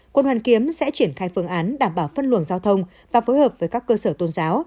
quận hoàn kiếm sẽ triển khai phương án đảm bảo phân luồng giao thông và phối hợp với các cơ sở tôn giáo